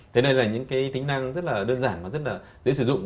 thế này là những cái tính năng rất là đơn giản và rất là dễ sử dụng